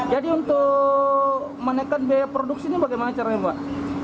jadi untuk menaikkan biaya produksi ini bagaimana caranya mbak